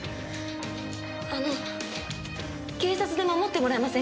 あの警察で守ってもらえませんか？